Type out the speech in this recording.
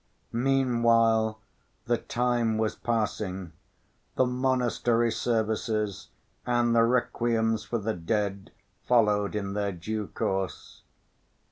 Meanwhile the time was passing; the monastery services and the requiems for the dead followed in their due course.